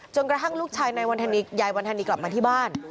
จนกระทั่งลูกชายนายวรรษณีย์ยายวรรษณีย์กลับมาที่บ้าน